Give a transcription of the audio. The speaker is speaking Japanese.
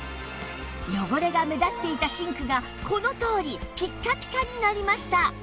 汚れが目立っていたシンクがこのとおりピッカピカになりました！